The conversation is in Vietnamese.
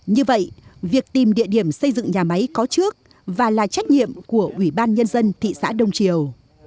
như vậy việc tìm địa điểm xây dựng nhà máy có trước và là trách nhiệm của ubnd thị xã đông triều